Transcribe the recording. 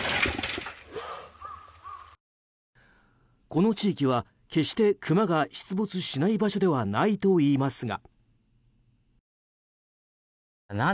この地域は決してクマが出没しない場所ではないといいますが。